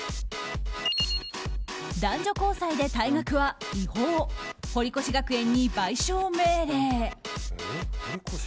男女交際で退学は違法堀越学園に賠償命令。